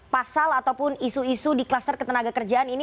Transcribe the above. pasal ataupun isu isu di kluster ketenaga kerjaan ini